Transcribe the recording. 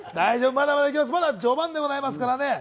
まだ序盤でございますからね。